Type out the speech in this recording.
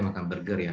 makan burger ya